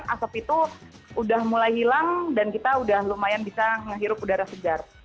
asap itu udah mulai hilang dan kita udah lumayan bisa menghirup udara segar